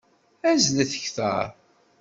Azzlet kteṛ!